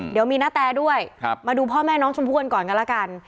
เดี๋ยวมีนาแตด้วยมาดูพ่อแม่น้องชมพู่กันก่อนกันแล้วกัน